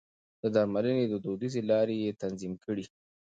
د درملنې دوديزې لارې يې تنظيم کړې.